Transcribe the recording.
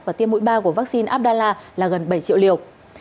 và tiêm mũi ba của vaccine abdallah là gần bảy triệu liều